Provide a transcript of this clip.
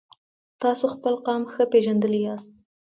تاسو خپل قام ښه پیژندلی یاست.